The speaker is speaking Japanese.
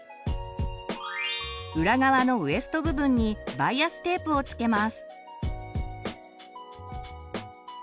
裏側のウエスト部分にバイアステープを付けます。